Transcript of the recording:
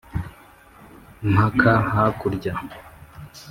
Mpaka hakurya